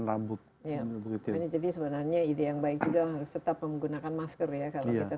rambut ya jadi sebenarnya ide yang baik juga harus tetap menggunakan masker ya kalau kita